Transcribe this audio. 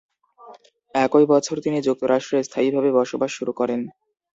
একই বছর তিনি যুক্তরাষ্ট্রে স্থায়ীভাবে বসবাস শুরু করেন।